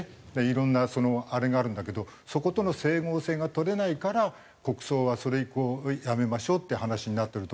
いろんなそのあれがあるんだけどそことの整合性が取れないから国葬はそれ以降やめましょうって話になってると思う。